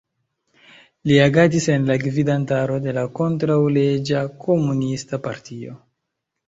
Li agadis en la gvidantaro de la kontraŭleĝa komunista partio.